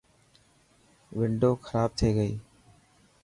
ونڊو خراب ٿي گئي.